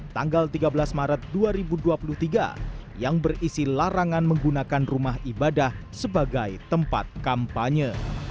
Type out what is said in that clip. tanggal tiga belas maret dua ribu dua puluh tiga yang berisi larangan menggunakan rumah ibadah sebagai tempat kampanye